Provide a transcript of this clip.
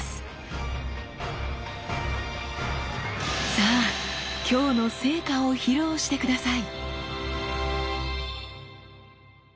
さあ今日の成果を披露して下さい！